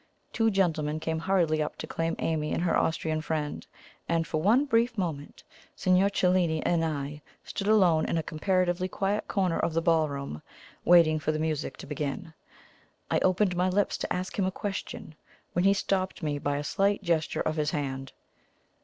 Two gentlemen came hurriedly up to claim Amy and her Austrian friend; and for one brief moment Signor Cellini and I stood alone in a comparatively quiet corner of the ballroom, waiting for the music to begin. I opened my lips to ask him a question, when he stopped me by a slight gesture of his hand.